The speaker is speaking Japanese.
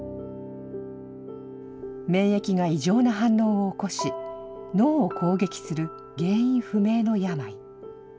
免疫が異常な反応を起こし、脳を攻撃する原因不明の病。